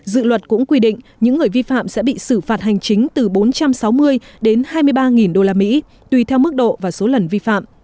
dự luật cũng quy định những người vi phạm sẽ bị xử phạt hành chính từ bốn trăm sáu mươi đến hai mươi ba usd tùy theo mức độ và số lần vi phạm